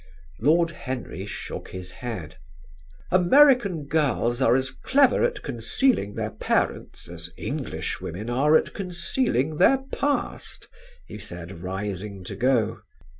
Lord Henry shook his head. "American girls are as clever at concealing their parents as English women are at concealing their past," he said, rising to go.